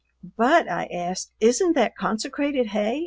"But," I asked, "isn't that consecrated hay?